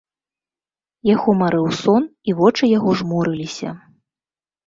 Яго марыў сон, і вочы яго жмурыліся.